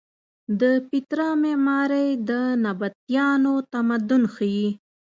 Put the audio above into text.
د پیترا معمارۍ د نبطیانو تمدن ښیې.